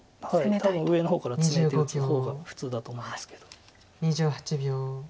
多分上の方からツメて打つ方が普通だと思いますけど。